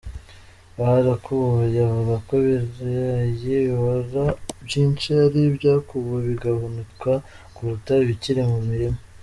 Baharakubuye avuga ko ibirayi bibora byinshi ari ibyakuwe bigahunikwa kuruta ibikiri mu mirima.